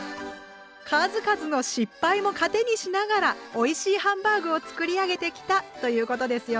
数々の失敗も糧にしながらおいしいハンバーグを作り上げてきたということですよね。